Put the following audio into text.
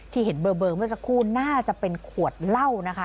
เห็นเบอร์เมื่อสักครู่น่าจะเป็นขวดเหล้านะคะ